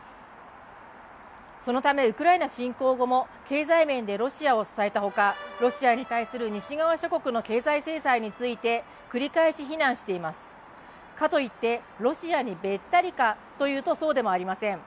そのため、ウクライナ侵攻後も経済面でロシアを支えたほかロシアに対する西側諸国の経済制裁について繰り返し非難しています、かといってロシアにべったりかというと、そうでもありません。